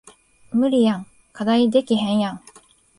無理やん課題できへんやん